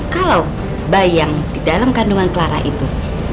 kalau bayi yang di dalam kandungan clara itu